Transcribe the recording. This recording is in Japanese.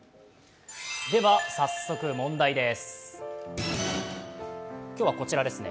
では早速、問題です。